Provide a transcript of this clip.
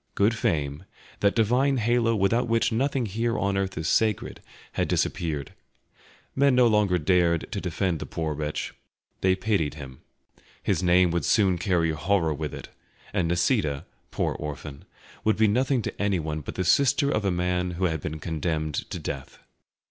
Good fame, that divine halo without which nothing here on earth is sacred, had disappeared. Men no longer dared to defend the poor wretch, they pitied him. His name would soon carry horror with it, and Nisida, poor orphan, would be nothing to anyone but the sister of a man who had been condemned to death.